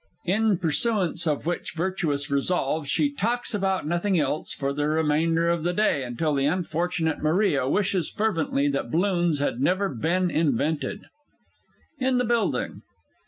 [In pursuance of which virtuous resolve, she talks about nothing else for the remainder of the day, until the unfortunate MARIA wishes fervently that balloons had never been invented. IN THE BUILDING.